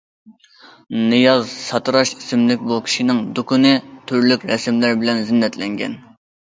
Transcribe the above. نىياز ساتىراش ئىسىملىك بۇ كىشىنىڭ دۇكىنى تۈرلۈك رەسىملەر بىلەن زىننەتلەنگەن.